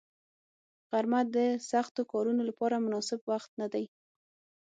غرمه د سختو کارونو لپاره مناسب وخت نه دی